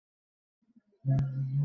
রাহুল সে হিন্দিতে কিভাবে গান গাইবে?